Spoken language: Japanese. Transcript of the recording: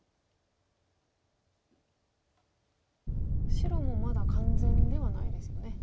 白もまだ完全ではないですよね。